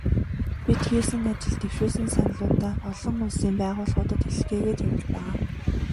Бид хийсэн ажил, дэвшүүлсэн саналуудаа олон улсын байгууллагуудад илгээгээд явж байгаа.